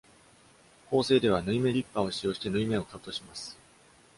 縫製では、縫い目リッパーを使用して縫い目をカットします。